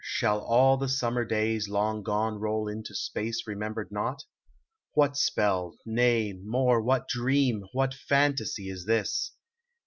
Shall all the summer days long gone Roll into space remembered not? What spell, Nay, more, what dream, what fantasy is this?